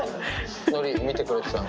のり、見てくれてたの。